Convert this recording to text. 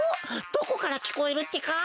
どこからきこえるってか？